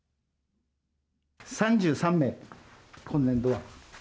３３名、今年度は。